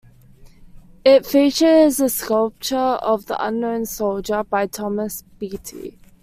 It features a sculpture of the Unknown Soldier by Thomas Beattie.